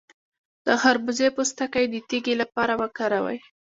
د خربوزې پوستکی د تیږې لپاره وکاروئ